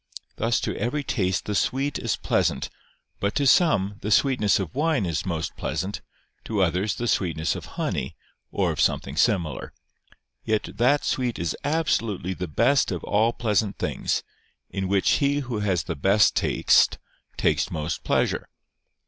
Thus to every taste the sweet is pleasant but to some, the sweetness of wine is most pleasant, to others, the sweetness of honey, or of something similar. Yet that sweet is absolutely the best of all pleasant things, in which he who has the best taste takes most pleasure.